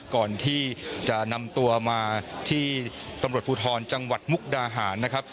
ก่อนที่จะนำตัวมาที่ตำรวจภูทรจังหวัดมุกดาหารนะครับ